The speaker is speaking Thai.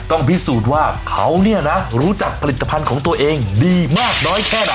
ต้องพิสูจน์ว่าเขาเนี่ยนะรู้จักผลิตภัณฑ์ของตัวเองดีมากน้อยแค่ไหน